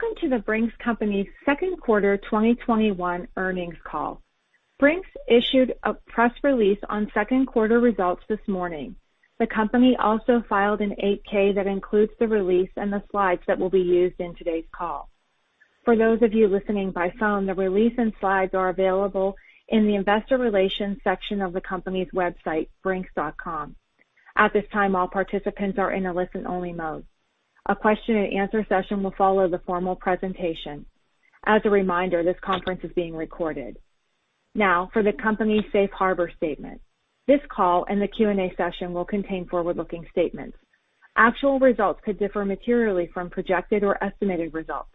Welcome to The Brink's Company Second Quarter 2021 Earnings Call. Brink's issued a press release on second quarter results this morning. The company also filed an 8-K that includes the release and the slides that will be used in today's call. For those of you listening by phone, the release and slides are available in the investor relations section of the company's website, brinks.com. At this time, all participants are in a listen-only mode. A question and answer session will follow the formal presentation. As a reminder, this conference is being recorded. Now for the company's safe harbor statement. This call and the Q&A session will contain forward-looking statements. Actual results could differ materially from projected or estimated results.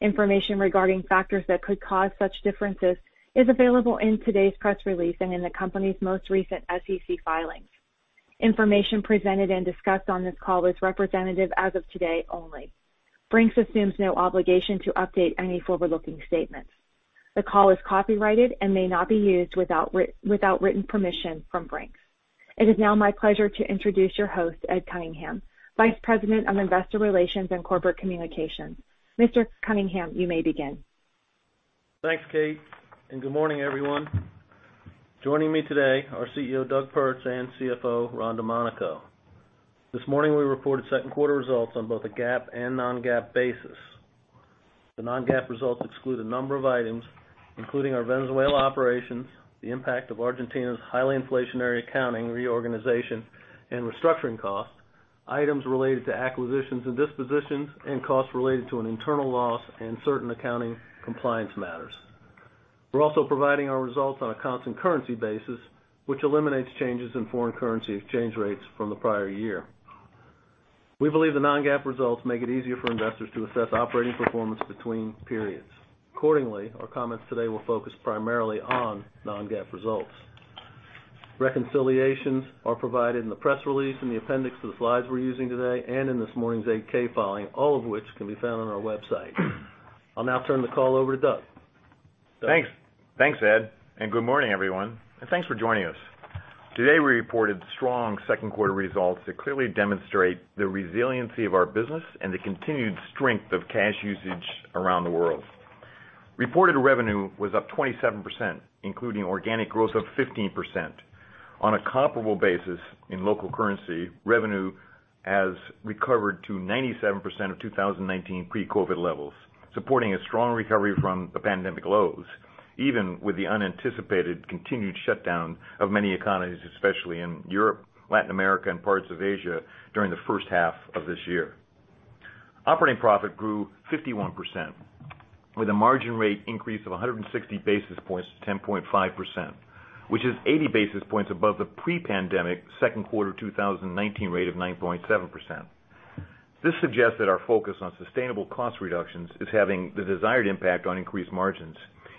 Information regarding factors that could cause such differences is available in today's press release and in the company's most recent SEC filings. Information presented and discussed on this call is representative as of today only. Brink's assumes no obligation to update any forward-looking statements. The call is copyrighted and may not be used without written permission from Brink's. It is now my pleasure to introduce your host, Ed Cunningham, Vice President of Investor Relations and Corporate Communications. Mr. Cunningham, you may begin. Thanks, Kate. Good morning, everyone. Joining me today are CEO Doug Pertz and CFO Ron Domanico. This morning, we reported second quarter results on both a GAAP and non-GAAP basis. The non-GAAP results exclude a number of items, including our Venezuela operations, the impact of Argentina's highly inflationary accounting reorganization and restructuring costs, items related to acquisitions and dispositions, and costs related to an internal loss and certain accounting compliance matters. We're also providing our results on a constant currency basis, which eliminates changes in foreign currency exchange rates from the prior year. We believe the non-GAAP results make it easier for investors to assess operating performance between periods. Accordingly, our comments today will focus primarily on non-GAAP results. Reconciliations are provided in the press release, in the appendix of the slides we're using today, and in this morning's 8-K filing, all of which can be found on our website. I'll now turn the call over to Doug. Doug? Thanks, Ed, and good morning, everyone, and thanks for joining us. Today, we reported strong second quarter results that clearly demonstrate the resiliency of our business and the continued strength of cash usage around the world. Reported revenue was up 27%, including organic growth of 15%. On a comparable basis in local currency, revenue has recovered to 97% of 2019 pre-COVID levels, supporting a strong recovery from the pandemic lows, even with the unanticipated continued shutdown of many economies, especially in Europe, Latin America, and parts of Asia during the first half of this year. Operating profit grew 51% with a margin rate increase of 160 basis points to 10.5%, which is 80 basis points above the pre-pandemic second quarter 2019 rate of 9.7%. This suggests that our focus on sustainable cost reductions is having the desired impact on increased margins,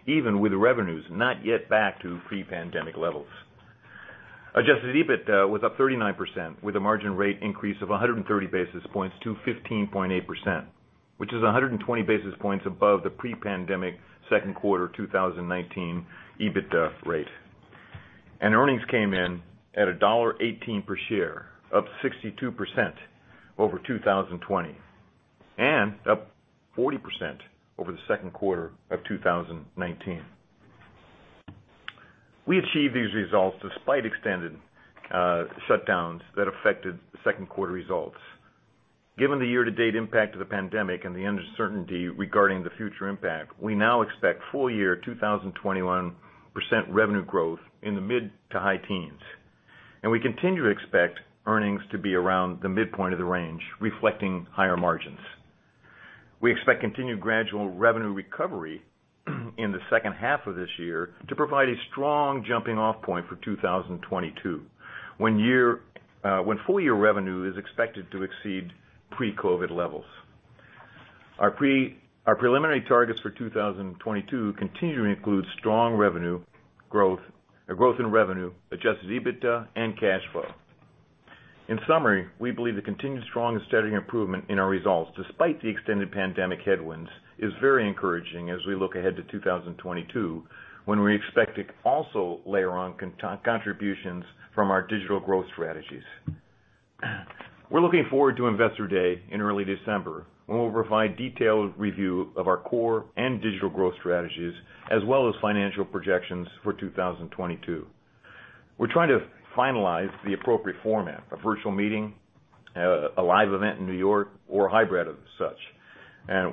even with revenues not yet back to pre-pandemic levels. Adjusted EBITDA was up 39%, with a margin rate increase of 130 basis points to 15.8%, which is 120 basis points above the pre-pandemic second quarter 2019 EBITDA rate. Earnings came in at $1.18 per share, up 62% over 2020, and up 40% over the second quarter of 2019. We achieved these results despite extended shutdowns that affected the second quarter results. Given the year-to-date impact of the pandemic and the uncertainty regarding the future impact, we now expect full year 2021 revenue growth in the mid-to-high teens, and we continue to expect earnings to be around the midpoint of the range, reflecting higher margins. We expect continued gradual revenue recovery in the second half of this year to provide a strong jumping-off point for 2022, when full-year revenue is expected to exceed pre-COVID levels. Our preliminary targets for 2022 continue to include strong revenue growth, adjusted EBITDA, and cash flow. In summary, we believe the continued strong and steady improvement in our results, despite the extended pandemic headwinds, is very encouraging as we look ahead to 2022, when we expect to also layer on contributions from our digital growth strategies. We're looking forward to Investor Day in early December, when we'll provide detailed review of our core and digital growth strategies, as well as financial projections for 2022. We're trying to finalize the appropriate format, a virtual meeting, a live event in New York, or a hybrid of such.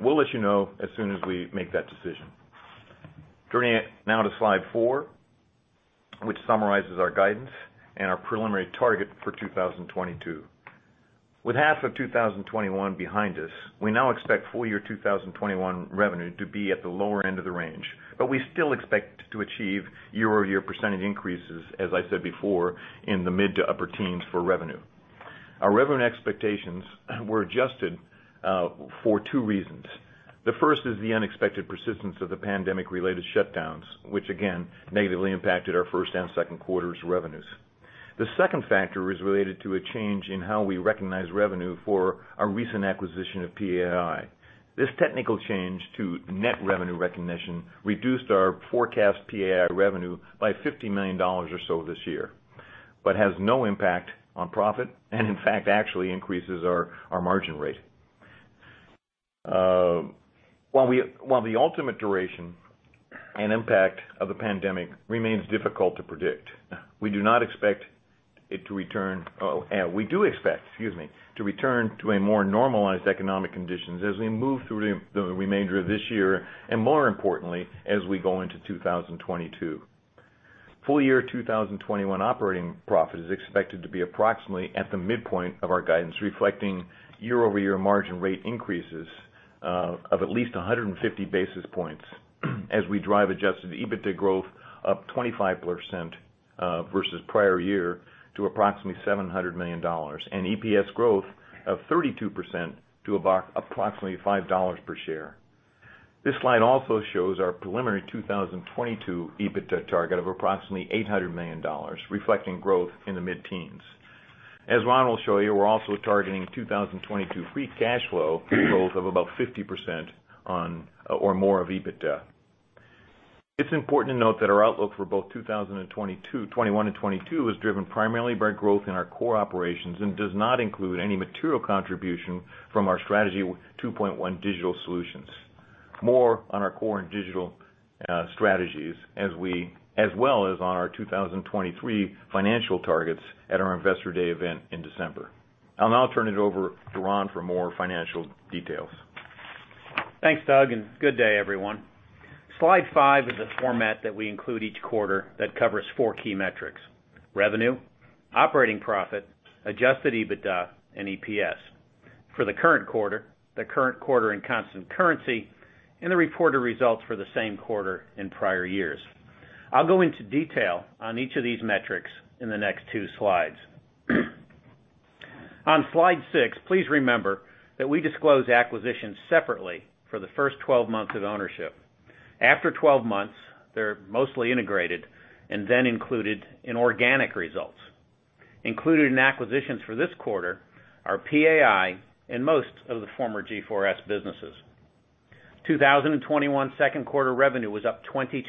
We'll let you know as soon as we make that decision. Turning it now to slide four, which summarizes our guidance and our preliminary target for 2022. With half of 2021 behind us, we now expect full year 2021 revenue to be at the lower end of the range. We still expect to achieve year-over-year percentage increases, as I said before, in the mid to upper teens for revenue. Our revenue expectations were adjusted for two reasons. The first is the unexpected persistence of the pandemic-related shutdowns, which again, negatively impacted our first and second quarters' revenues. The second factor is related to a change in how we recognize revenue for our recent acquisition of PAI. This technical change to net revenue recognition reduced our forecast PAI revenue by $50 million or so this year. Has no impact on profit and, in fact, actually increases our margin rate. While the ultimate duration and impact of the pandemic remains difficult to predict, we do expect it to return to a more normalized economic conditions as we move through the remainder of this year, and more importantly, as we go into 2022. Full year 2021 operating profit is expected to be approximately at the midpoint of our guidance, reflecting year-over-year margin rate increases of at least 150 basis points as we drive adjusted EBITDA growth of 25% versus prior year to approximately $700 million, and EPS growth of 32% to approximately $5 per share. This slide also shows our preliminary 2022 EBITDA target of approximately $800 million, reflecting growth in the mid-teens. As Ron will show you, we are also targeting 2022 free cash flow growth of about 50% or more of EBITDA. It's important to note that our outlook for both 2021 and 2022 is driven primarily by growth in our core operations and does not include any material contribution from our Strategy 2.0 digital solutions. More on our core and digital strategies as well as on our 2023 financial targets at our Investor Day event in December. I'll now turn it over to Ron Domanico for more financial details. Thanks, Doug. Good day, everyone. Slide five is a format that we include each quarter that covers four key metrics: revenue, operating profit, adjusted EBITDA, and EPS for the current quarter, the current quarter in constant currency, and the reported results for the same quarter in prior years. I will go into detail on each of these metrics in the next two slides. On Slide six, please remember that we disclose acquisitions separately for the first 12 months of ownership. After 12 months, they are mostly integrated and then included in organic results. Included in acquisitions for this quarter are PAI and most of the former G4S businesses. 2021 second quarter revenue was up 22%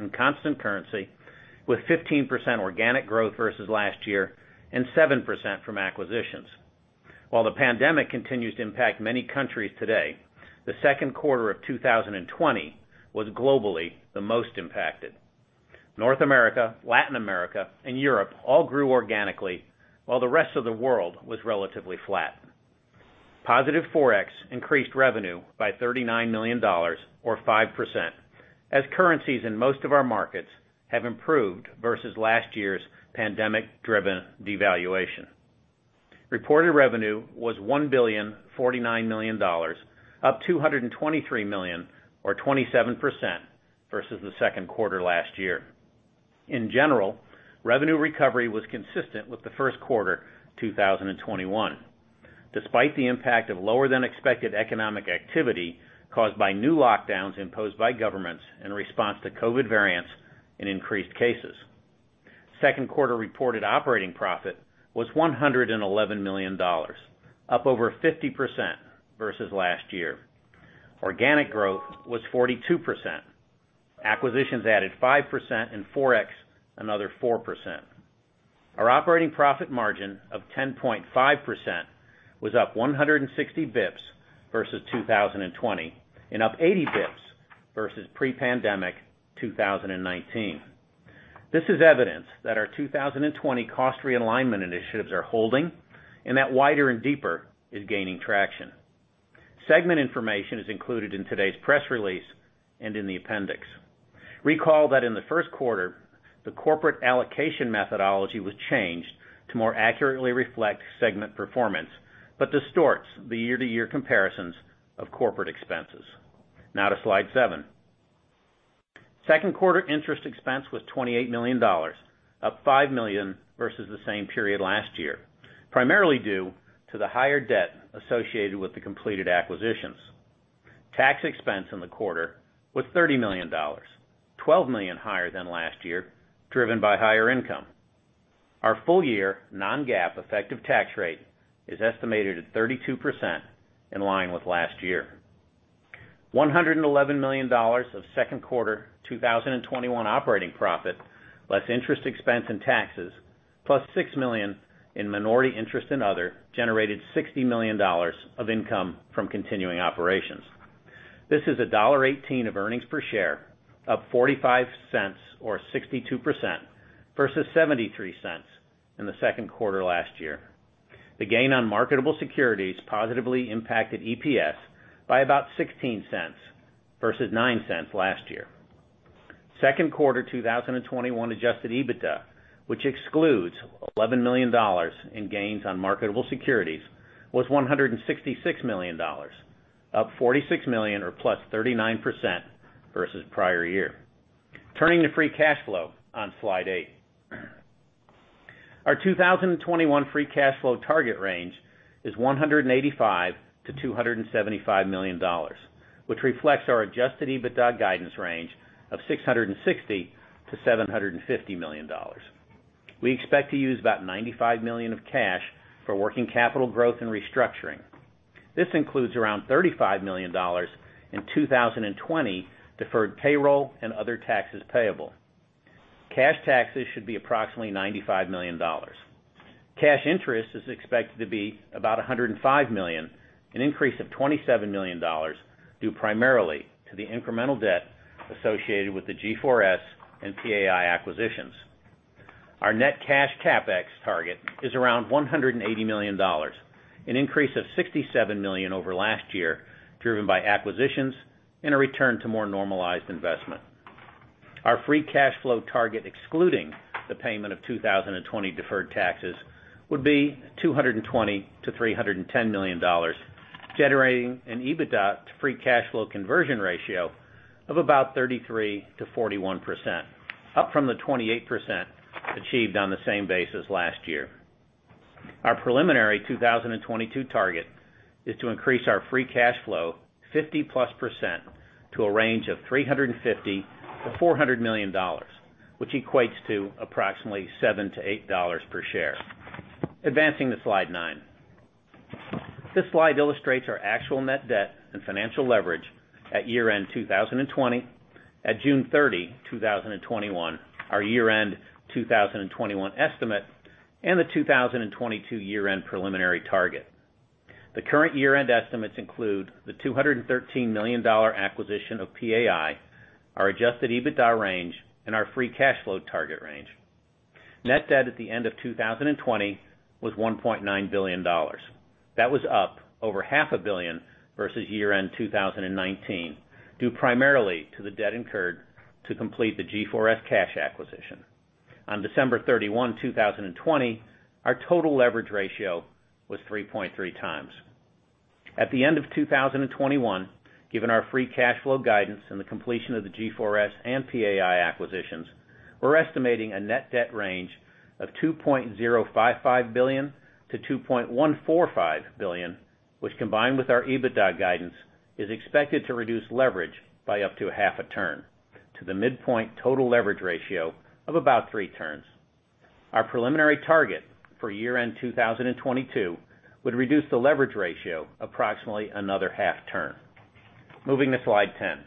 in constant currency, with 15% organic growth versus last year and 7% from acquisitions. While the pandemic continues to impact many countries today, the second quarter of 2020 was globally the most impacted. North America, Latin America, and Europe all grew organically while the rest of the world was relatively flat. Positive forex increased revenue by $39 million, or 5%, as currencies in most of our markets have improved versus last year's pandemic-driven devaluation. Reported revenue was $1 billion, $49 million, up $223 million or 27% versus the second quarter last year. In general, revenue recovery was consistent with the first quarter 2021, despite the impact of lower-than-expected economic activity caused by new lockdowns imposed by governments in response to COVID variants and increased cases. Second quarter reported operating profit was $111 million, up over 50% versus last year. Organic growth was 42%. Acquisitions added 5%, and forex another 4%. Our operating profit margin of 10.5% was up 160 basis points versus 2020 and up 80 basis points versus pre-pandemic 2019. This is evidence that our 2020 cost realignment initiatives are holding and that wider and deeper is gaining traction. Segment information is included in today's press release and in the appendix. Recall that in the 1st quarter, the corporate allocation methodology was changed to more accurately reflect segment performance, but distorts the year-to-year comparisons of corporate expenses. Now to slide seven. Second quarter interest expense was $28 million, up $5 million versus the same period last year, primarily due to the higher debt associated with the completed acquisitions. Tax expense in the quarter was $30 million, $12 million higher than last year, driven by higher income. Our full-year non-GAAP effective tax rate is estimated at 32%, in line with last year. $111 million of second quarter 2021 operating profit, less interest expense and taxes, plus $6 million in minority interest and other, generated $60 million of income from continuing operations. This is $1.18 of earnings per share, up $0.45 or 62%, versus $0.73 in the second quarter last year. The gain on marketable securities positively impacted EPS by about $0.16 versus $0.09 last year. Second quarter 2021 adjusted EBITDA, which excludes $11 million in gains on marketable securities, was $166 million, up $46 million or +39% versus prior year. Turning to free cash flow on slide eight. Our 2021 free cash flow target range is $185 million-$275 million, which reflects our adjusted EBITDA guidance range of $660 million-$750 million. We expect to use about $95 million of cash for working capital growth and restructuring. This includes around $35 million in 2020 deferred payroll and other taxes payable. Cash taxes should be approximately $95 million. Cash interest is expected to be about $105 million, an increase of $27 million due primarily to the incremental debt associated with the G4S and PAI acquisitions. Our net cash CapEx target is around $180 million, an increase of $67 million over last year, driven by acquisitions and a return to more normalized investment. Our free cash flow target, excluding the payment of 2020 deferred taxes, would be $220 million-$310 million, generating an EBITDA to free cash flow conversion ratio of about 33%-41%, up from the 28% achieved on the same basis last year. Our preliminary 2022 target is to increase our free cash flow 50%+ to a range of $350 million-$400 million, which equates to approximately $7- $8 per share. Advancing to slide nine. This slide illustrates our actual net debt and financial leverage at year-end 2020, at June 30, 2021, our year-end 2021 estimate, and the 2022 year-end preliminary target. The current year-end estimates include the $213 million acquisition of PAI, our adjusted EBITDA range, and our free cash flow target range. Net debt at the end of 2020 was $1.9 billion. That was up over half a billion versus year-end 2019, due primarily to the debt incurred to complete the G4S cash acquisition. On December 31, 2020, our total leverage ratio was 3.3 times. At the end of 2021, given our free cash flow guidance and the completion of the G4S and PAI acquisitions, we're estimating a net debt range of $2.055 billion-$2.145 billion, which combined with our EBITDA guidance, is expected to reduce leverage by up to half a turn to the midpoint total leverage ratio of about three turns. Our preliminary target for year-end 2022 would reduce the leverage ratio approximately another half turn. Moving to slide 10.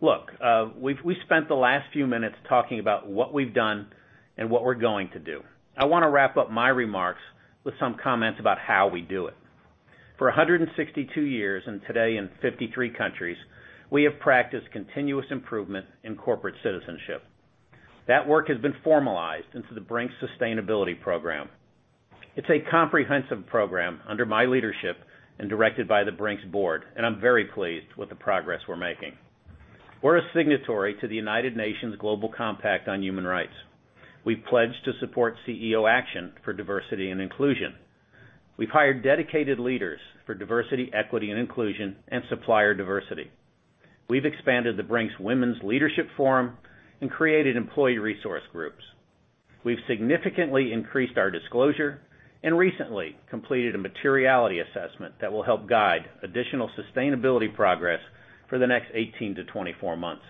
Look, we've spent the last few minutes talking about what we've done and what we're going to do. I want to wrap up my remarks with some comments about how we do it. For 162 years and today in 53 countries, we have practiced continuous improvement in corporate citizenship. That work has been formalized into the Brink's Sustainability Program. It's a comprehensive program under my leadership and directed by the Brink's Board, and I'm very pleased with the progress we're making. We're a signatory to the United Nations Global Compact. We've pledged to support CEO Action for Diversity & Inclusion. We've hired dedicated leaders for diversity, equity, and inclusion and supplier diversity. We've expanded the Brink's Leadership Forum and created employee resource groups. We've significantly increased our disclosure and recently completed a materiality assessment that will help guide additional sustainability progress for the next 18-24 months.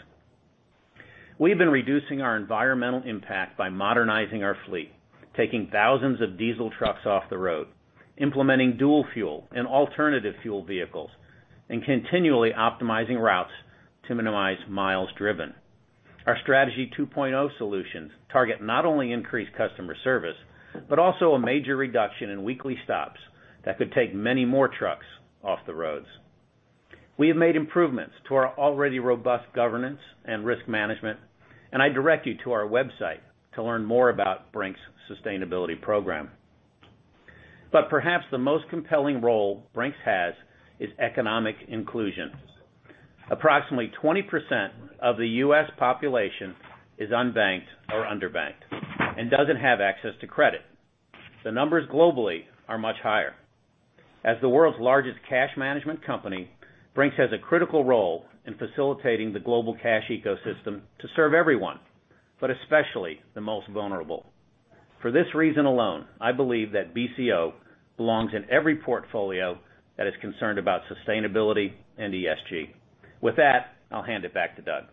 We've been reducing our environmental impact by modernizing our fleet, taking thousands of diesel trucks off the road, implementing dual fuel and alternative fuel vehicles, and continually optimizing routes to minimize miles driven. Our Strategy 2.0 solutions target not only increased customer service, but also a major reduction in weekly stops that could take many more trucks off the roads. We have made improvements to our already robust governance and risk management, and I direct you to our website to learn more about Brink's Sustainability Program. Perhaps the most compelling role Brink's has is economic inclusion. Approximately 20% of the U.S. population is unbanked or underbanked and doesn't have access to credit. The numbers globally are much higher. As the world's largest cash management company, Brink's has a critical role in facilitating the global cash ecosystem to serve everyone, but especially the most vulnerable. For this reason alone, I believe that BCO belongs in every portfolio that is concerned about sustainability and ESG. With that, I'll hand it back to Doug.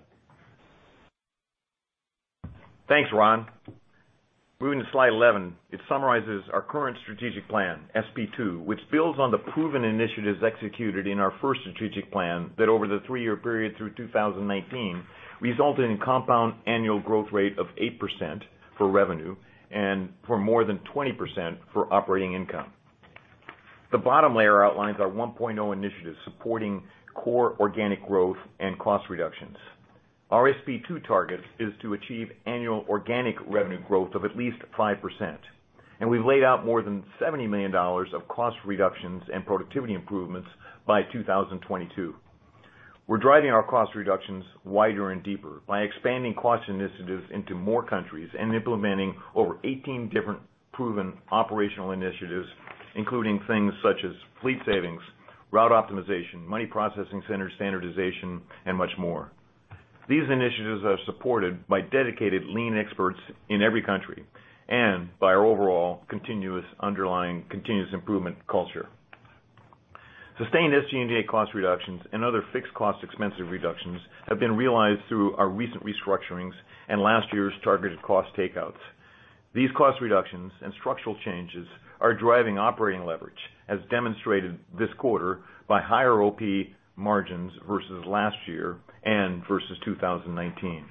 Thanks, Ron. Moving to slide 11, it summarizes our current strategic plan, SP2, which builds on the proven initiatives executed in our first strategic plan that over the three-year period through 2019, resulted in compound annual growth rate of 8% for revenue and for more than 20% for operating income. The bottom layer outlines our 1.0 initiatives supporting core organic growth and cost reductions. Our SP2 target is to achieve annual organic revenue growth of at least 5%, and we've laid out more than $70 million of cost reductions and productivity improvements by 2022. We're driving our cost reductions wider and deeper by expanding cost initiatives into more countries and implementing over 18 different proven operational initiatives, including things such as fleet savings, route optimization, money processing center standardization, and much more. These initiatives are supported by dedicated lean experts in every country and by our overall underlying continuous improvement culture. Sustained SG&A cost reductions and other fixed cost expense reductions have been realized through our recent restructurings and last year's targeted cost takeouts. These cost reductions and structural changes are driving operating leverage, as demonstrated this quarter by higher OP margins versus last year and versus 2019.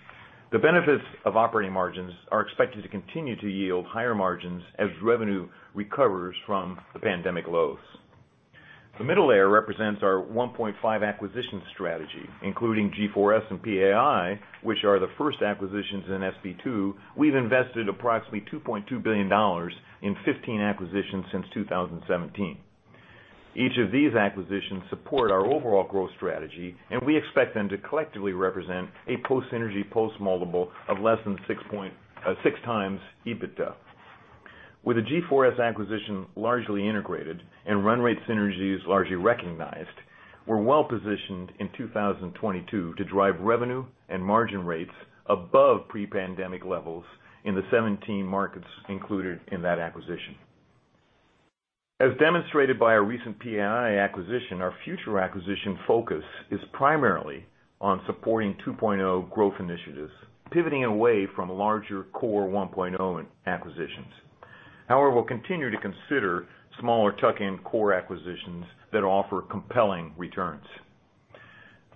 The benefits of operating margins are expected to continue to yield higher margins as revenue recovers from the pandemic lows. The middle layer represents our 1.5 acquisition strategy, including G4S and PAI, which are the first acquisitions in SP2. We've invested approximately $2.2 billion in 15 acquisitions since 2017. Each of these acquisitions support our overall growth strategy, and we expect them to collectively represent a post synergy, post multiple of less than 6 times EBITDA. With the G4S acquisition largely integrated and run rate synergies largely recognized, we're well-positioned in 2022 to drive revenue and margin rates above pre-pandemic levels in the 17 markets included in that acquisition. As demonstrated by our recent PAI acquisition, our future acquisition focus is primarily on supporting 2.0 growth initiatives, pivoting away from larger core 1.0 acquisitions. However, we'll continue to consider smaller tuck-in core acquisitions that offer compelling returns.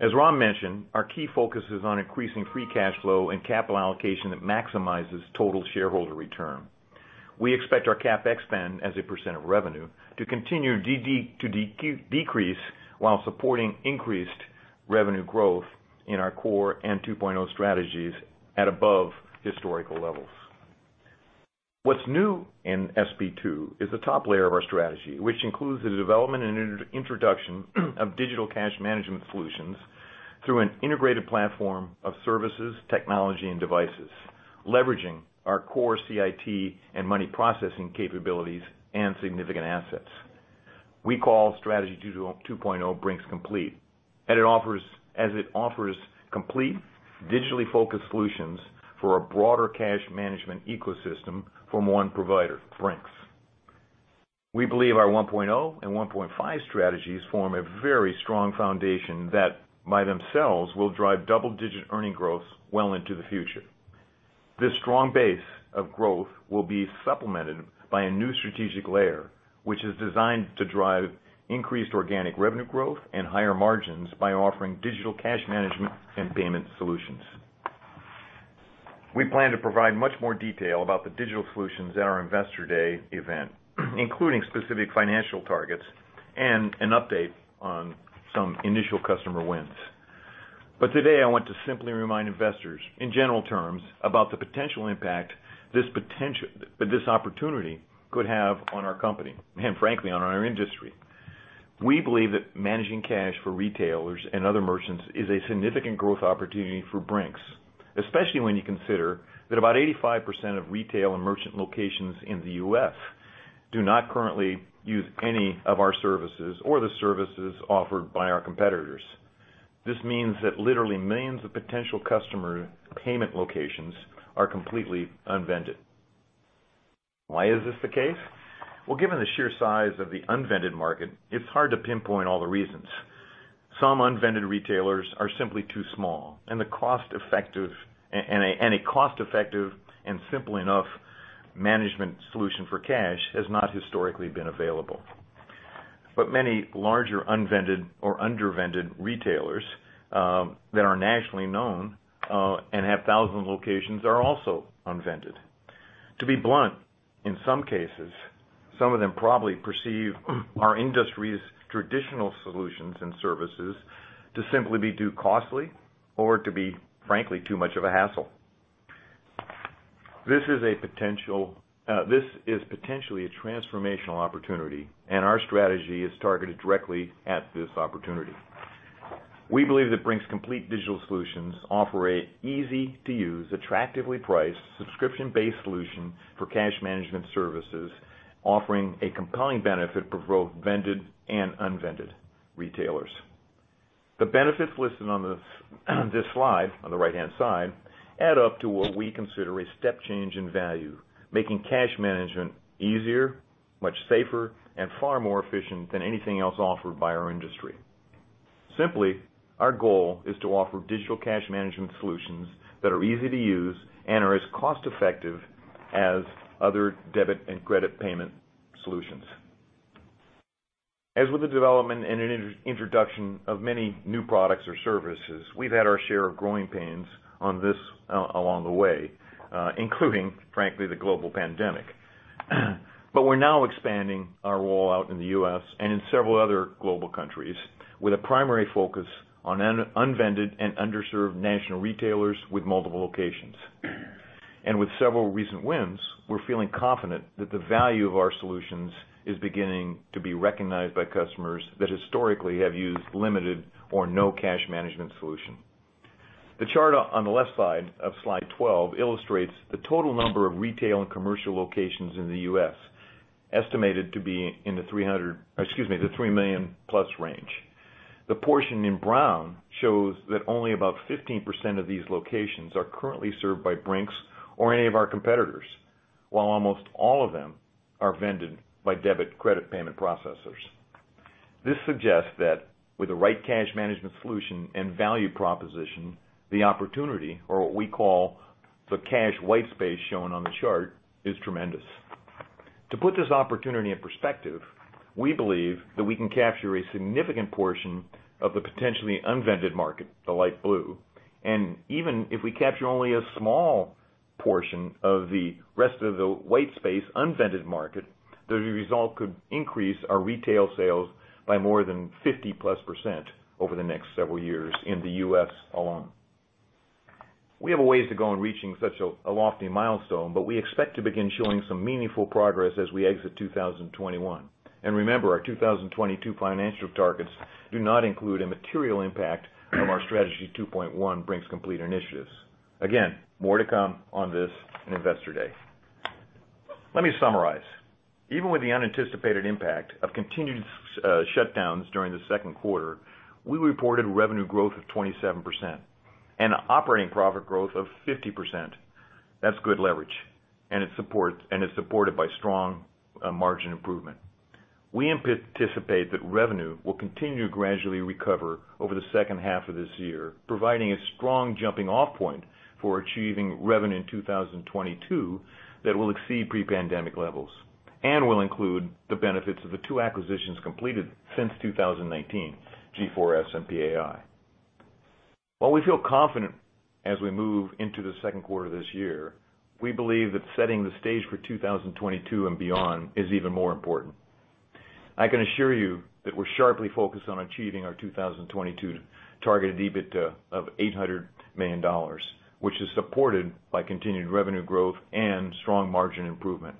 As Ron mentioned, our key focus is on increasing free cash flow and capital allocation that maximizes total shareholder return. We expect our CapEx spend as a percent of revenue to continue to decrease while supporting increased revenue growth in our core and 2.0 strategies at above historical levels. What's new in SP2 is the top layer of our strategy, which includes the development and introduction of digital cash management solutions through an integrated platform of services, technology, and devices, leveraging our core CIT and money processing capabilities and significant assets. We call Strategy 2.0 Brink's Complete, as it offers complete digitally-focused solutions for a broader cash management ecosystem from one provider, Brink's. We believe our 1.0 and 1.5 strategies form a very strong foundation that by themselves will drive double-digit earning growth well into the future. This strong base of growth will be supplemented by a new strategic layer, which is designed to drive increased organic revenue growth and higher margins by offering digital cash management and payment solutions. We plan to provide much more detail about the digital solutions at our Investor Day event, including specific financial targets and an update on some initial customer wins. Today I want to simply remind investors, in general terms, about the potential impact this opportunity could have on our company, and frankly, on our industry. We believe that managing cash for retailers and other merchants is a significant growth opportunity for Brink's, especially when you consider that about 85% of retail and merchant locations in the U.S. do not currently use any of our services or the services offered by our competitors. This means that literally millions of potential customer payment locations are completely unvended. Why is this the case? Well, given the sheer size of the unvended market, it's hard to pinpoint all the reasons. Some unvended retailers are simply too small, and a cost-effective and simple enough management solution for cash has not historically been available. Many larger unvended or under-vended retailers that are nationally known, and have thousands of locations are also unvended. To be blunt, in some cases, some of them probably perceive our industry's traditional solutions and services to simply be too costly or to be, frankly, too much of a hassle. This is potentially a transformational opportunity, and our strategy is targeted directly at this opportunity. We believe that Brink's Complete digital solutions offer an easy-to-use, attractively priced, subscription-based solution for cash management services, offering a compelling benefit for both vended and unvended retailers. The benefits listed on this slide, on the right-hand side, add up to what we consider a step change in value, making cash management easier, much safer, and far more efficient than anything else offered by our industry. Simply, our goal is to offer digital cash management solutions that are easy to use and are as cost-effective as other debit and credit payment solutions. As with the development and introduction of many new products or services, we've had our share of growing pains on this along the way, including, frankly, the global pandemic. We're now expanding our rollout in the U.S. and in several other global countries with a primary focus on unvended and underserved national retailers with multiple locations. With several recent wins, we're feeling confident that the value of our solutions is beginning to be recognized by customers that historically have used limited or no cash management solution. The chart on the left side of slide 12 illustrates the total number of retail and commercial locations in the U.S., estimated to be in the 3 million-plus range. The portion in brown shows that only about 15% of these locations are currently served by Brink's or any of our competitors, while almost all of them are vended by debit credit payment processors. This suggests that with the right cash management solution and value proposition, the opportunity or what we call the cash white space shown on the chart, is tremendous. To put this opportunity in perspective, we believe that we can capture a significant portion of the potentially unvended market, the light blue. Even if we capture only a small portion of the rest of the white space unvended market, the result could increase our retail sales by more than 50+% over the next several years in the U.S. alone. We have a ways to go in reaching such a lofty milestone, but we expect to begin showing some meaningful progress as we exit 2021. Remember, our 2022 financial targets do not include a material impact from our Strategy 2.0 Brink's Complete initiatives. Again, more to come on this in Investor Day. Let me summarize. Even with the unanticipated impact of continued shutdowns during the second quarter, we reported revenue growth of 27% and operating profit growth of 50%. That's good leverage and it's supported by strong margin improvement. We anticipate that revenue will continue to gradually recover over the second half of this year, providing a strong jumping off point for achieving revenue in 2022 that will exceed pre-pandemic levels and will include the benefits of the two acquisitions completed since 2019, G4S and PAI. While we feel confident as we move into the second quarter this year, we believe that setting the stage for 2022 and beyond is even more important. I can assure you that we're sharply focused on achieving our 2022 targeted EBITDA of $800 million, which is supported by continued revenue growth and strong margin improvement,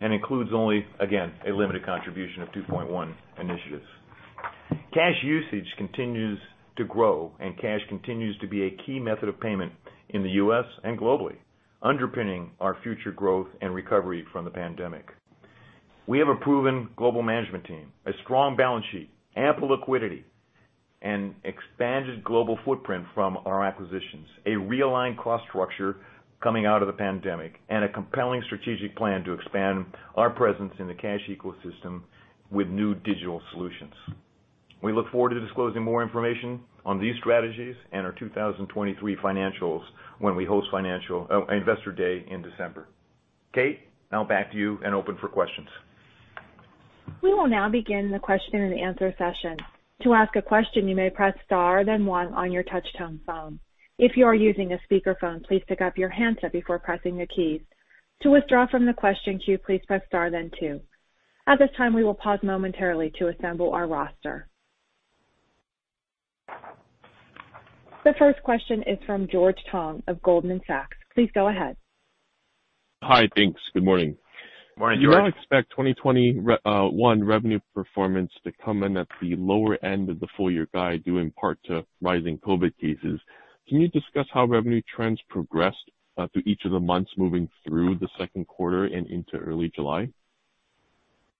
and includes only, again, a limited contribution of 2.1 initiatives. Cash usage continues to grow, and cash continues to be a key method of payment in the U.S. and globally, underpinning our future growth and recovery from the pandemic. We have a proven global management team, a strong balance sheet, ample liquidity and expanded global footprint from our acquisitions, a realigned cost structure coming out of the pandemic, and a compelling strategic plan to expand our presence in the cash ecosystem with new digital solutions. We look forward to disclosing more information on these strategies and our 2023 financials when we host Investor Day in December. Kate, now back to you and open for questions. We will now begin the question and answer session. To ask a question, you may press star then one on your touch-tone phone. If you are using a speakerphone, please pick up your handset before pressing the keys. To withdraw from the question queue, please press star then two. At this time, we will pause momentarily to assemble our roster. The first question is from George Tong of Goldman Sachs. Please go ahead. Hi, thanks. Good morning. Morning, George. You now expect 2021 revenue performance to come in at the lower end of the full year guide due in part to rising COVID cases. Can you discuss how revenue trends progressed through each of the months moving through the second quarter and into early July?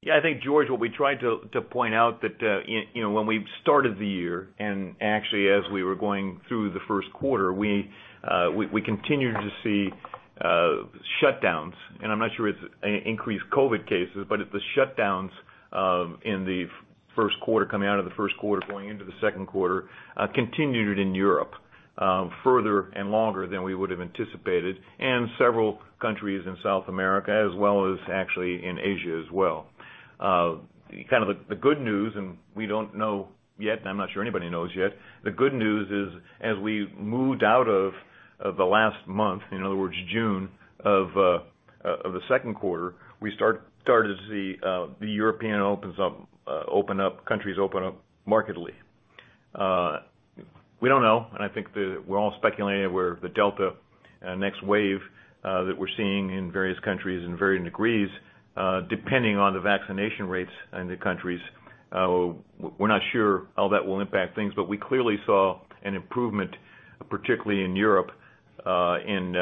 Yeah, I think, George, what we tried to point out that when we started the year and actually as we were going through the first quarter, we continued to see shutdowns. I'm not sure it's increased COVID cases, but it's the shutdowns in the first quarter, coming out of the first quarter, going into the second quarter continued in Europe further and longer than we would have anticipated, and several countries in South America as well as actually in Asia as well. The good news, and we don't know yet, and I'm not sure anybody knows yet. The good news is as we moved out of the last month, in other words, June of the second quarter, we started to see the European countries open up markedly. We don't know, I think we're all speculating where the Delta next wave that we're seeing in various countries in varying degrees depending on the vaccination rates in the countries. We're not sure how that will impact things, we clearly saw an improvement, particularly in Europe in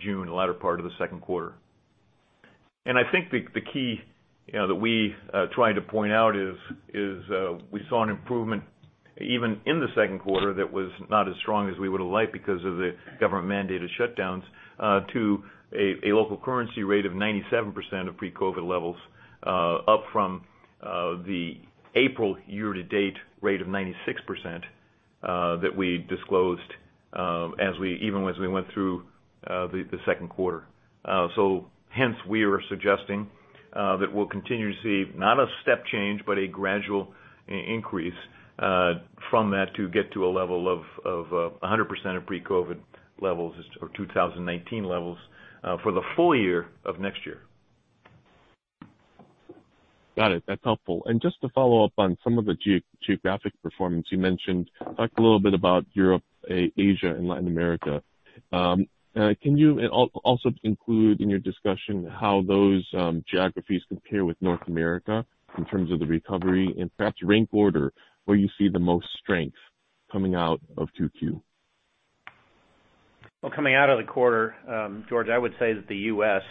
June, the latter part of the second quarter. I think the key that we tried to point out is we saw an improvement even in the second quarter that was not as strong as we would have liked because of the government mandated shutdowns to a local currency rate of 97% of pre-COVID levels up from the April year to date rate of 96% that we disclosed even as we went through the second quarter. Hence we are suggesting that we'll continue to see not a step change, but a gradual increase from that to get to a level of 100% of pre-COVID levels or 2019 levels for the full year of next year. Got it. That's helpful. Just to follow up on some of the geographic performance you mentioned, talked a little bit about Europe, Asia and Latin America. Can you also include in your discussion how those geographies compare with North America in terms of the recovery? Perhaps rank order where you see the most strength coming out of 2Q? Well, coming out of the quarter, George, I would say that the U.S.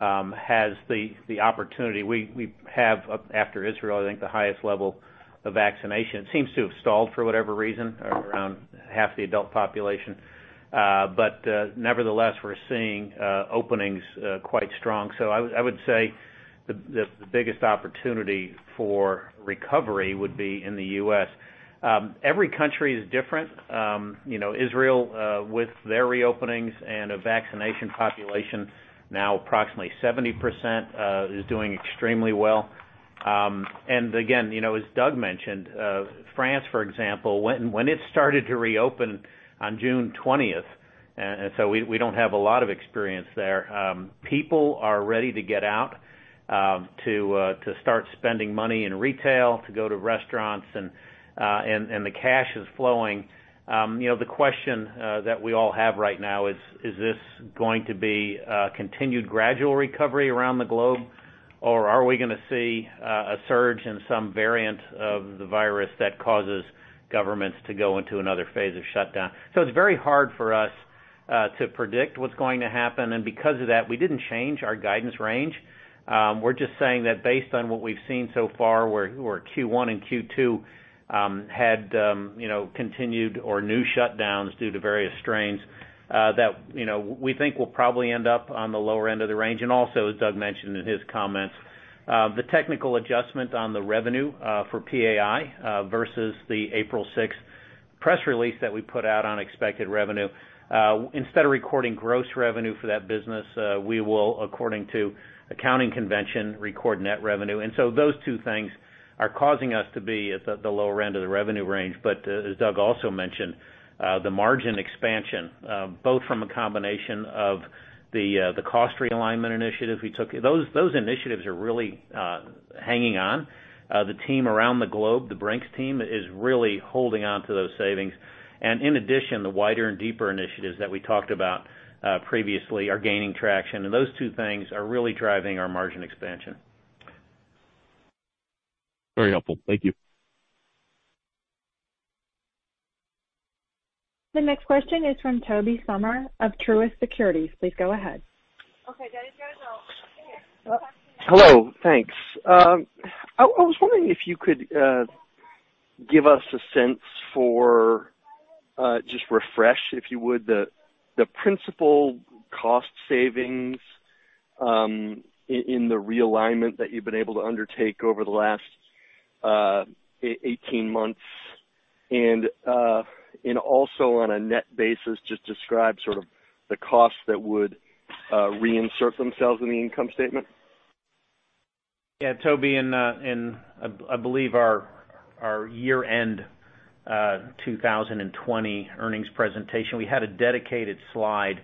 has the opportunity. We have, after Israel, I think the highest level of vaccination. It seems to have stalled for whatever reason around half the adult population. Nevertheless, we're seeing openings quite strong. I would say the biggest opportunity for recovery would be in the U.S. Every country is different. Israel, with their reopenings and a vaccination population now approximately 70%, is doing extremely well. Again, as Doug mentioned, France for example, when it started to reopen on June 20th, and so we don't have a lot of experience there, people are ready to get out, to start spending money in retail, to go to restaurants, and the cash is flowing. The question that we all have right now is this going to be a continued gradual recovery around the globe, or are we going to see a surge in some variant of the virus that causes governments to go into another phase of shutdown? It's very hard for us to predict what's going to happen, and because of that, we didn't change our guidance range. We're just saying that based on what we've seen so far, where Q1 and Q2 had continued or new shutdowns due to various strains, that we think we'll probably end up on the lower end of the range. Also, as Doug mentioned in his comments, the technical adjustment on the revenue for PAI versus the April 6th press release that we put out on expected revenue. Instead of recording gross revenue for that business, we will, according to accounting convention, record net revenue. Those two things are causing us to be at the lower end of the revenue range. As Doug also mentioned, the margin expansion, both from a combination of the cost realignment initiative we took, those initiatives are really hanging on. The team around the globe, the Brink's team, is really holding onto those savings. In addition, the wider and deeper initiatives that we talked about previously are gaining traction, and those two things are really driving our margin expansion. Very helpful. Thank you. The next question is from Tobey Sommer of Truist Securities. Please go ahead. Hello. Thanks. I was wondering if you could give us a sense for, just refresh, if you would, the principal cost savings in the realignment that you've been able to undertake over the last 18 months and also on a net basis, just describe sort of the costs that would reinsert themselves in the income statement? Yeah, Tobey, in I believe our year-end 2020 earnings presentation, we had a dedicated slide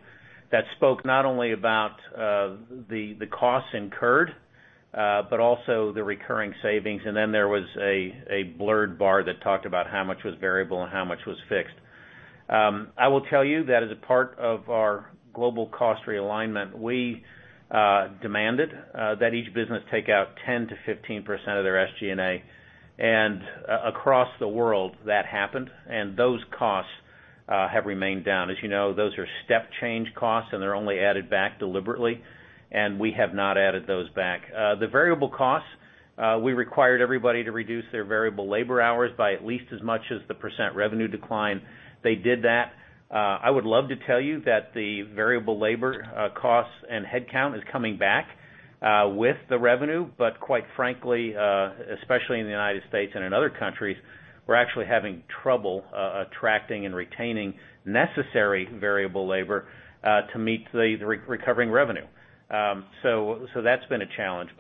that spoke not only about the costs incurred, but also the recurring savings, and then there was a blurred bar that talked about how much was variable and how much was fixed. I will tell you that as a part of our global cost realignment, we demanded that each business take out 10%-15% of their SG&A. Across the world, that happened, and those costs have remained down. As you know, those are step change costs, and they're only added back deliberately, and we have not added those back. The variable costs, we required everybody to reduce their variable labor hours by at least as much as the % revenue decline. They did that. I would love to tell you that the variable labor costs and headcount is coming back with the revenue, but quite frankly, especially in the U.S. and in other countries, we're actually having trouble attracting and retaining necessary variable labor to meet the recovering revenue. That's been a challenge.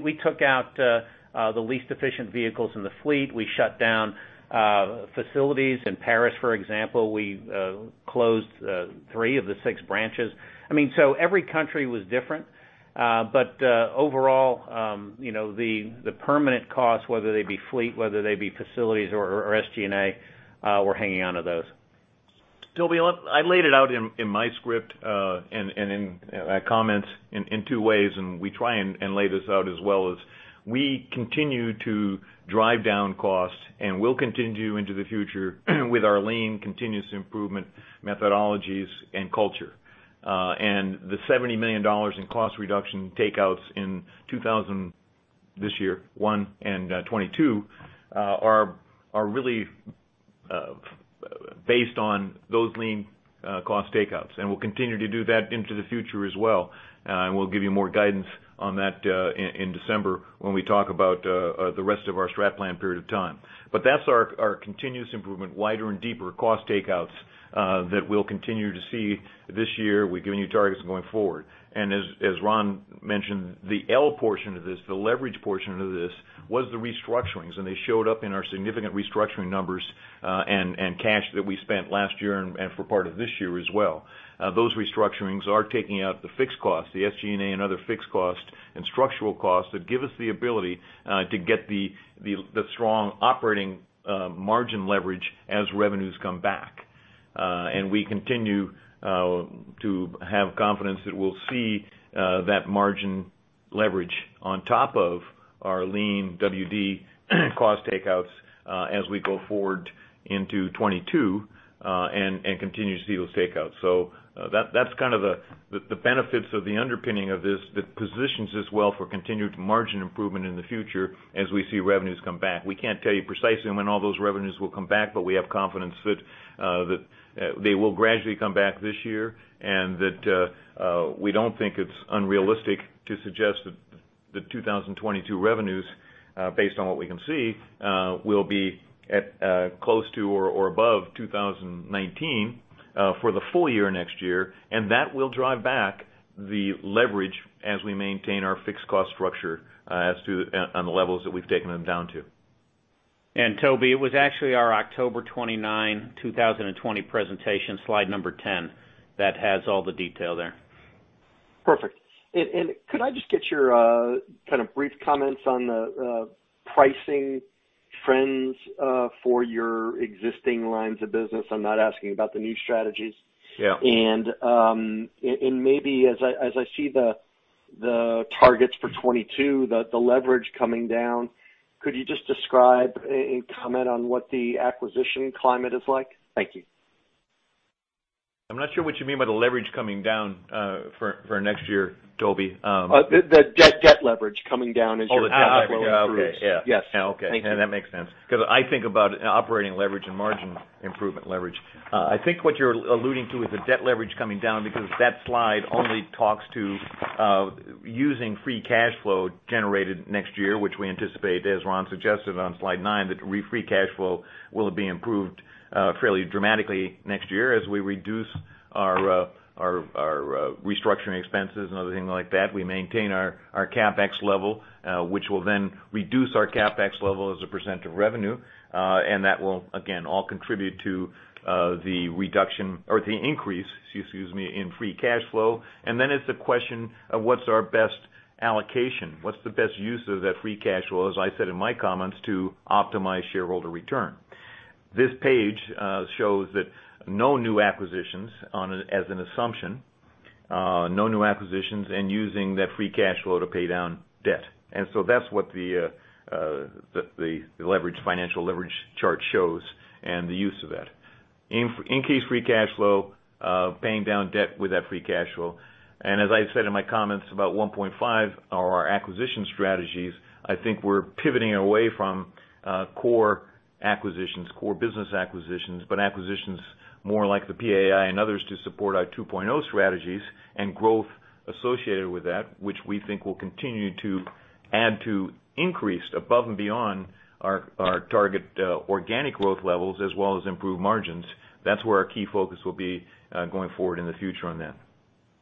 We took out the least efficient vehicles in the fleet. We shut down facilities in Paris, for example. We closed three of the six branches. Every country was different. Overall, the permanent costs, whether they be fleet, whether they be facilities or SG&A, we're hanging on to those. Tobey, I laid it out in my script, and in my comments in two ways, and we try and lay this out as well. We continue to drive down costs and will continue into the future with our lean continuous improvement methodologies and culture. The $70 million in cost reduction takeouts in this year, 2021 and 2022, are really based on those lean cost takeouts. We'll continue to do that into the future as well, and we'll give you more guidance on that in December when we talk about the rest of our strat plan period of time. That's our continuous improvement, wider and deeper cost takeouts that we'll continue to see this year. We've given you targets going forward. As Ron mentioned, the L portion of this, the leverage portion of this, was the restructurings, and they showed up in our significant restructuring numbers, and cash that we spent last year and for part of this year as well. Those restructurings are taking out the fixed cost, the SG&A, and other fixed cost and structural costs that give us the ability to get the strong operating margin leverage as revenues come back. We continue to have confidence that we'll see that margin leverage on top of our lean WD cost takeouts as we go forward into 2022, and continue to see those takeouts. That's kind of the benefits of the underpinning of this, that positions us well for continued margin improvement in the future as we see revenues come back. We can't tell you precisely when all those revenues will come back, but we have confidence that they will gradually come back this year, and that we don't think it's unrealistic to suggest that the 2022 revenues, based on what we can see, will be at close to or above 2019 for the full year next year, and that will drive back the leverage as we maintain our fixed cost structure on the levels that we've taken them down to. Tobey, it was actually our October 29, 2020 presentation, slide number 10, that has all the detail there. Perfect. Could I just get your kind of brief comments on the pricing trends for your existing lines of business? I'm not asking about the new strategies. Yeah. Maybe as I see the targets for 2022, the leverage coming down, could you just describe and comment on what the acquisition climate is like? Thank you. I'm not sure what you mean by the leverage coming down for next year, Tobey? The debt leverage coming down as your cash flow improves. Oh, the debt leverage. Okay. Yeah. Yes. Yeah. Okay. Thank you. That makes sense. Because I think about operating leverage and margin improvement leverage. I think what you're alluding to is the debt leverage coming down because that slide only talks to using free cash flow generated next year, which we anticipate, as Ron suggested on slide nine, that free cash flow will be improved fairly dramatically next year as we reduce our restructuring expenses and other things like that. We maintain our CapEx level, which will then reduce our CapEx level as a percent of revenue. That will, again, all contribute to the reduction or the increase, excuse me, in free cash flow. Then it's a question of what's our best allocation. What's the best use of that free cash flow, as I said in my comments, to optimize shareholder return. This page shows that no new acquisitions as an assumption. No new acquisitions, using that free cash flow to pay down debt. That's what the financial leverage chart shows and the use of that. Increased free cash flow, paying down debt with that free cash flow, and as I said in my comments about 1.5 are our acquisition strategies. I think we're pivoting away from core business acquisitions, but acquisitions more like the PAI and others to support our 2.0 strategies and growth associated with that, which we think will continue to add to increased above and beyond our target organic growth levels as well as improved margins. That's where our key focus will be going forward in the future on that.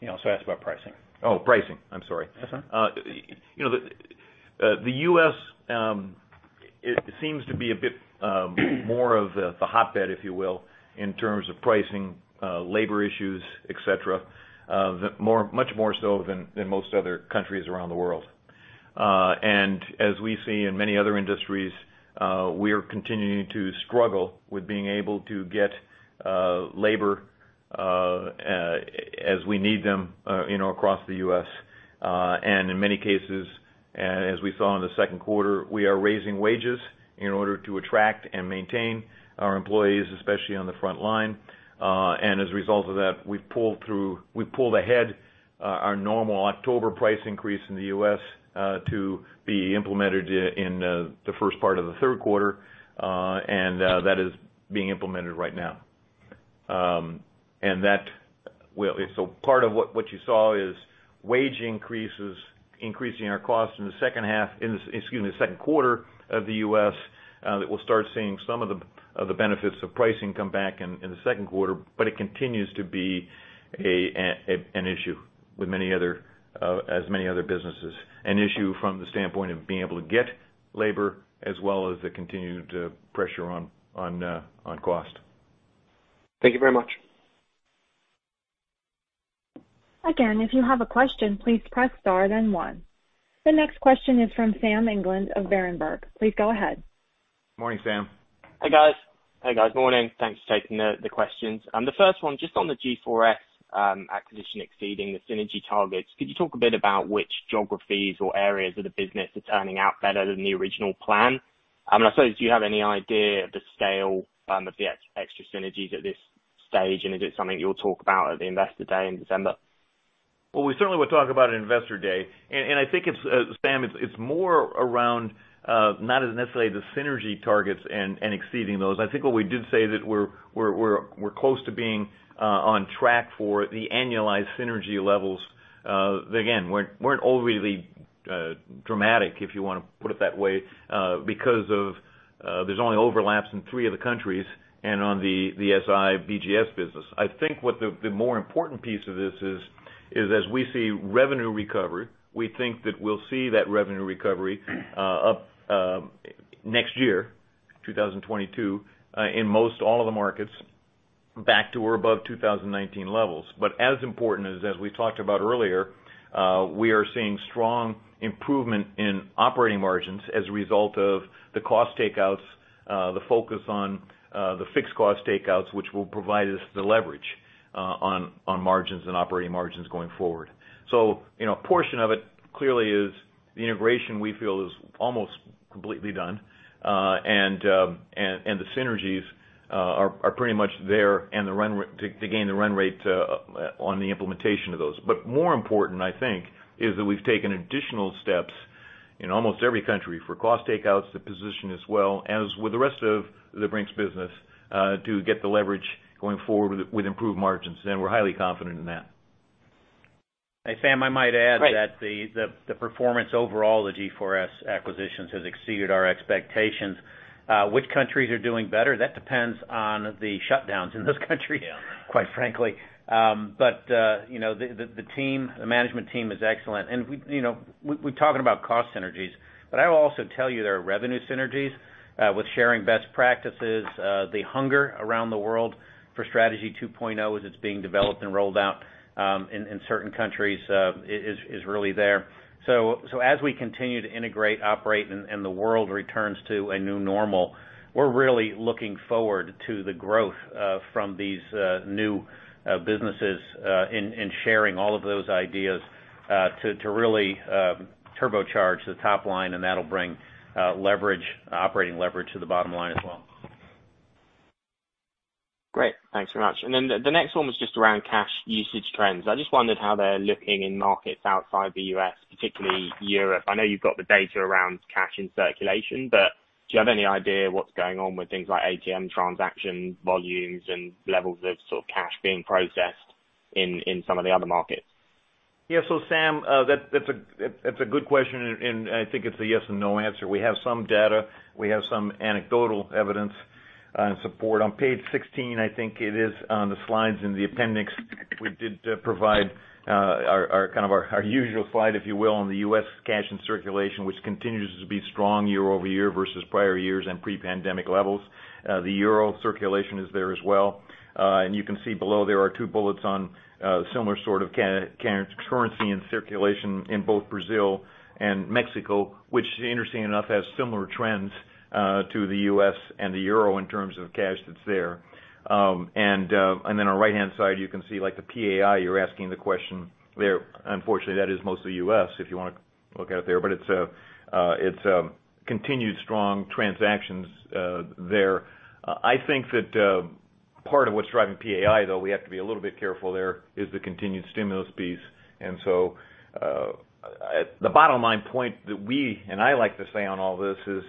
You also asked about pricing. Oh, pricing. I'm sorry. That's all right. The U.S. seems to be a bit more of the hotbed, if you will, in terms of pricing, labor issues, et cetera. Much more so than most other countries around the world. As we see in many other industries, we are continuing to struggle with being able to get labor as we need them across the U.S. In many cases, as we saw in the second quarter, we are raising wages in order to attract and maintain our employees, especially on the front line. As a result of that, we pulled ahead our normal October price increase in the U.S. to be implemented in the first part of the third quarter, and that is being implemented right now. Part of what you saw is wage increases increasing our costs in the second quarter of the U.S., that we'll start seeing some of the benefits of pricing come back in the second quarter, but it continues to be an issue with as many other businesses, an issue from the standpoint of being able to get labor, as well as the continued pressure on cost. Thank you very much. If you have a question, please press star then one. The next question is from Sam England of Berenberg. Please go ahead. Morning, Sam. Hey, guys. Morning. Thanks for taking the questions. The first one, just on the G4S acquisition exceeding the synergy targets, could you talk a bit about which geographies or areas of the business are turning out better than the original plan? I suppose, do you have any idea of the scale of the extra synergies at this stage? Is it something you'll talk about at the Investor Day in December? Well, we certainly will talk about it at Investor Day. I think, Sam, it's more around not as necessarily the synergy targets and exceeding those. I think what we did say that we're close to being on track for the annualized synergy levels. Again, weren't overly dramatic, if you want to put it that way, because there's only overlaps in three of the countries and on the G4Si BGS business. I think what the more important piece of this is as we see revenue recovery, we think that we'll see that revenue recovery up next year, 2022, in most all of the markets back to or above 2019 levels. As important as we talked about earlier, we are seeing strong improvement in operating margins as a result of the cost takeouts, the focus on the fixed cost takeouts, which will provide us the leverage on margins and operating margins going forward. A portion of it clearly is the integration we feel is almost completely done, and the synergies are pretty much there to gain the run rate on the implementation of those. More important, I think, is that we've taken additional steps in almost every country for cost takeouts to position as well, as with the rest of the Brink's business, to get the leverage going forward with improved margins. We're highly confident in that. Hey, Sam, I might add that the performance overall of the G4S acquisitions has exceeded our expectations. Which countries are doing better? That depends on the shutdowns in those countries quite frankly. The management team is excellent. We're talking about cost synergies, but I will also tell you there are revenue synergies with sharing best practices. The hunger around the world for Strategy 2.0 as it's being developed and rolled out in certain countries is really there. As we continue to integrate, operate, and the world returns to a new normal, we're really looking forward to the growth from these new businesses in sharing all of those ideas to really turbocharge the top line, and that'll bring operating leverage to the bottom line as well. Great. Thanks very much. The next one was just around cash usage trends. I just wondered how they're looking in markets outside the U.S., particularly Europe. I know you've got the data around cash in circulation, do you have any idea what's going on with things like ATM transaction volumes and levels of sort of cash being processed in some of the other markets? Yeah. Sam, that's a good question, and I think it's a yes or no answer. We have some data. We have some anecdotal evidence and support. On page 16, I think it is, on the slides in the appendix, we did provide our usual slide, if you will, on the U.S. cash in circulation, which continues to be strong year over year versus prior years and pre-pandemic levels. The euro circulation is there as well. You can see below there are two bullets on similar sort of currency and circulation in both Brazil and Mexico, which interestingly enough, has similar trends to the U.S. and the euro in terms of cash that's there. Then on right-hand side, you can see like the PAI, you're asking the question there. Unfortunately, that is mostly U.S. if you want to look out there, but it's continued strong transactions there. I think that part of what's driving PAI, though, we have to be a little bit careful there, is the continued stimulus piece. The bottom line point that we and I like to say on all this is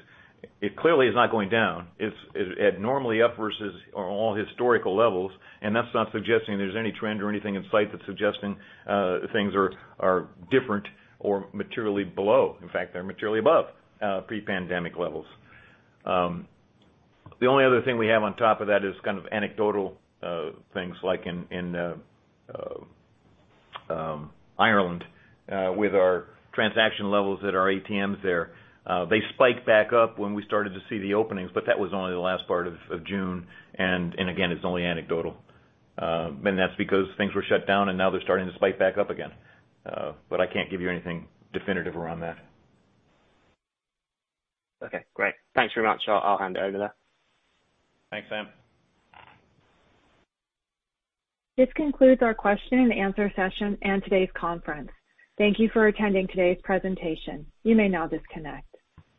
it clearly is not going down. It's abnormally up versus on all historical levels. That's not suggesting there's any trend or anything in sight that's suggesting things are different or materially below. In fact, they're materially above pre-pandemic levels. The only other thing we have on top of that is kind of anecdotal things like in Ireland with our transaction levels at our ATMs there. They spiked back up when we started to see the openings. That was only the last part of June. Again, it's only anecdotal. That's because things were shut down and now they're starting to spike back up again. I can't give you anything definitive around that. Okay, great. Thanks very much. I'll hand it over there. Thanks, Sam. This concludes our question and answer session and today's conference. Thank you for attending today's presentation. You may now disconnect.